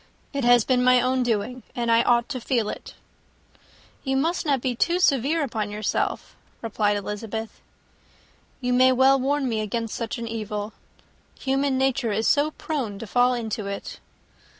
It has been my own doing, and I ought to feel it." "You must not be too severe upon yourself," replied Elizabeth. "You may well warn me against such an evil. Human nature is so prone to fall into it!